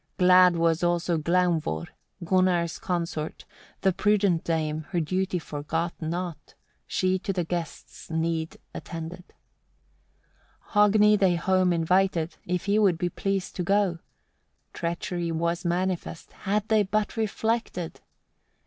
Glad was also Glaumvor, Gunnar's consort, the prudent dame her duty forgot not, she to the guests' need attended. 7. Hogni they home invited, if he would be pleased to go. Treachery was manifest, had they but reflected!